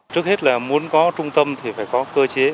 trước hết là muốn có trung tâm thì phải có cơ chế